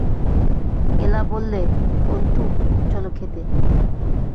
এলা বললে, অন্তু, চলো খেতে।